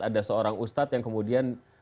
ada seorang ustadz yang kemudian